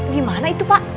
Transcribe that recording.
gimana itu pak